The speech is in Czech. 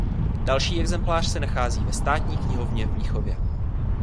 Další exemplář se nachází ve Státní knihovně v Mnichově.